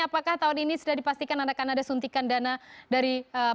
apakah tahun ini sudah dipastikan akan ada suntikan dana dari pemerintah